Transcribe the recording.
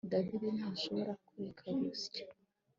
David ntashobora kureka gusya